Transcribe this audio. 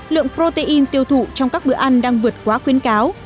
lượng protein tiêu thụ trong các bữa ăn đang vượt quá khuyến cáo